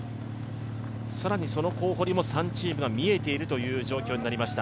更にその後方にも３チームが見えている状況になりました。